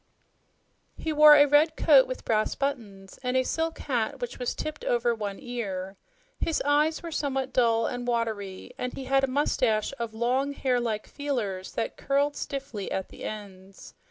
He wore a red coat with brass buttons, and a silk hat was tipped over one ear. His eyes were somewhat dull and watery, and he had a moustache of long, hair like "feelers" that curled stiffly at the ends.